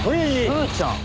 ふーちゃん。